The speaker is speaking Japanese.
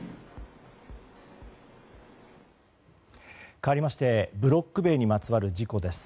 かわりましてブロック塀にまつわる事故です。